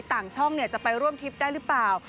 ต่างช่องจะไปร่วมทริปได้หรือเปล่า